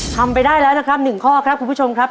ทำไปได้แล้วนะครับ๑ข้อครับคุณผู้ชมครับ